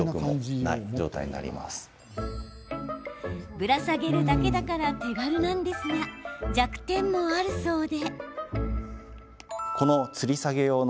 ぶら下げるだけだから手軽なんですが弱点もあるそうで。